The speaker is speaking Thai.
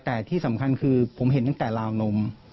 แต่ที่สำคัญคือผมเห็นตั้งแต่ราวนม